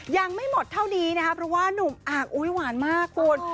ยังไม่หมดเท่านี้นะครับเพราะว่านุ่มอากอุ๊ยหวานมากคุณ